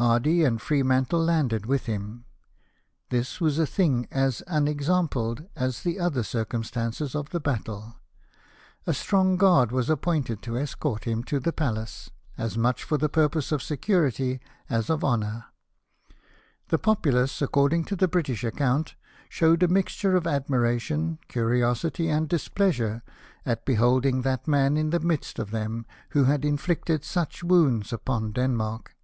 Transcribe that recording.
Hardy and Freemantle landed with him. This was a thing as unexampled as the other circumstances of the battle. A strong guard was appointed to escort him to the palace — as much for the purpose of security as of honour. The populace, according to the British account, showed a mixture of admiration, curiosity, and displeasure, at beholding that man in the midst of them who had inflicted such wounds upon Denmark.